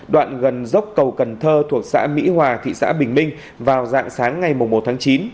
đoạn gần dốc cầu cần thơ thuộc xã mỹ hòa thị xã bình minh vào dạng sáng ngày một tháng chín